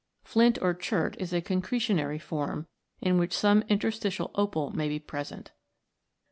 Flint or Chert is a concretionary form, in which some interstitial opal may be present.